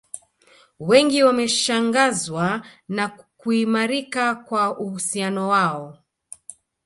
Wengi wameshangazwa na kuimarika kwa uhusiano wao